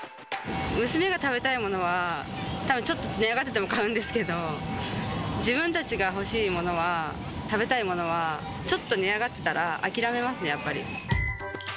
娘が食べたいものは、たぶんちょっと、値上がってても買うんですけど、自分たちが欲しいものは、食べたいものは、ちょっと値上がってたら、諦めますね、やっぱり。